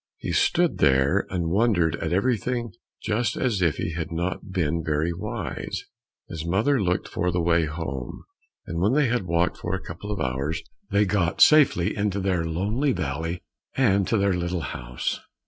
He stood there and wondered at everything just as if he had not been very wise. His mother looked for the way home, and when they had walked for a couple of hours, they got safely into their lonely valley and to their little house.